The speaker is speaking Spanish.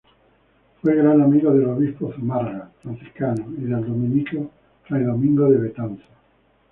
Fue gran amigo del obispo Zumárraga, franciscano, y del dominico fray Domingo de Betanzos.